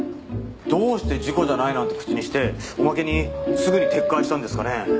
どうして事故じゃないなんて口にしておまけにすぐに撤回したんですかね？